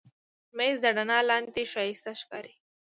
مېز د رڼا لاندې ښایسته ښکاري.